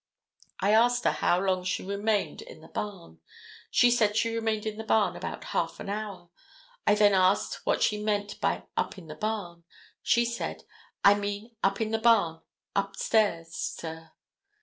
I asked her how long she remained in the barn; she said she remained in the barn about half an hour. I then asked her what she meant by 'up in the barn.' She said, 'I mean up in the barn, upstairs, sir.